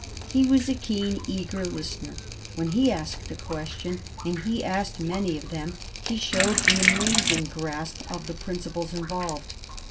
He was a keen, eager listener. When he asked a question, and he asked many of them, he showed an amazing grasp of the principles involved.